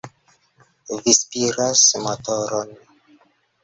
Vi spiras motoron!